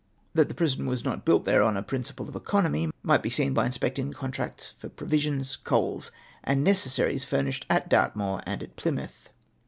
That the prison was not built there on a principle of economy might be seen by inspecting tlie contracts for provisions, coals, and necessaries furnished at Dartmoor and at Plymouth.